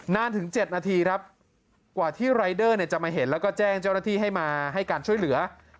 ถึง๗นาทีครับกว่าที่รายเดอร์จะมาเห็นแล้วก็แจ้งเจ้าหน้าที่ให้มาให้การช่วยเหลือ